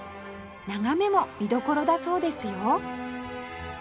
眺めも見どころだそうですよ